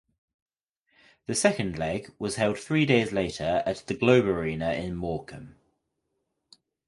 The second leg was held three days later at the Globe Arena in Morecambe.